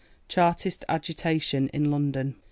Chartist Agitation in London.